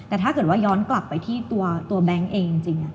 แต่ถ้าเกิดว่าย้อนกลับไปที่ตัวแบงค์เองจริง